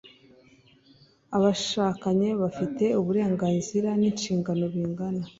abashakanye bafite uburenganzira n’inshingano bingana